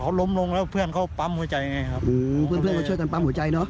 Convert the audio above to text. เขาล้มลงแล้วเพื่อนเขาปั๊มหัวใจไงครับเพื่อนเพื่อนมาช่วยกันปั๊มหัวใจเนอะ